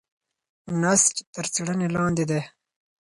نسج تر څېړنې لاندې دی.